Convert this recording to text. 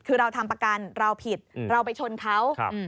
คือเราทำประกันเราผิดเราไปชนเขา